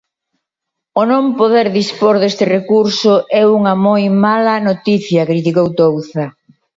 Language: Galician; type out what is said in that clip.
O non poder dispor deste recurso é unha moi mala noticia, criticou Touza.